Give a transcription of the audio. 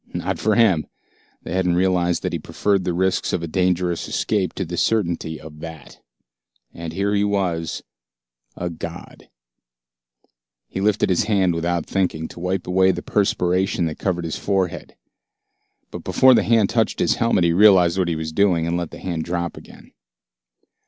Not for him. They hadn't realized that he preferred the risks of a dangerous escape to the certainty of that. And here he was a god. He lifted his hand without thinking, to wipe away the perspiration that covered his forehead. But before the hand touched his helmet he realized what he was doing, and let the hand drop again.